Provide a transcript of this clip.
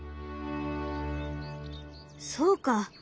そうか。